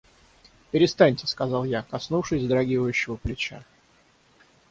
— Перестаньте, — сказал я, коснувшись вздрагивающего плеча.